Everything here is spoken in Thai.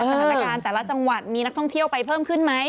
สถานการณ์แต่ละจังหวัดมีนักท่องเที่ยวไปเพิ่มขึ้นไหม